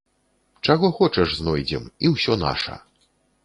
Чаго хочаш знойдзем, і ўсё наша.